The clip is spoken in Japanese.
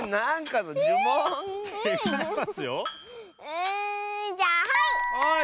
うんじゃあはい！